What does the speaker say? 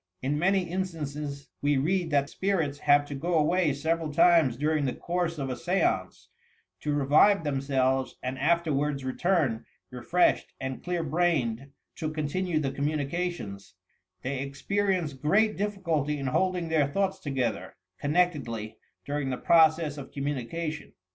In many 252 YOUR PSTCHIC POWERS instances we read that spirits have to go away several times during the course of a seanee, to revive themselves, and afterwards return, refreshed and clear brained, to continue the communicatioDS, They experience great difficulty in holding their thoughts together, eonnectedlj, during the process of coinmunication.